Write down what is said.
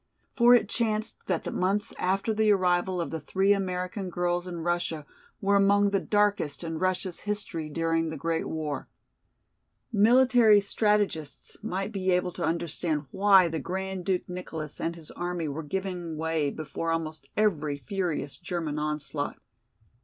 For it chanced that the months after the arrival of the three American girls in Russia were among the darkest in Russia's history during the great war. Military strategists might be able to understand why the Grand Duke Nicholas and his army were giving way before almost every furious German onslaught.